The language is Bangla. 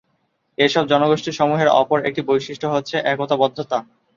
এসব জনগোষ্ঠী সমূহের অপর একটি বৈশিষ্ট্য হচ্ছে একতা-বদ্ধতা।